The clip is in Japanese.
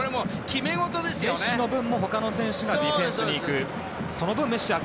メッシの分も他の選手がディフェンスに行く。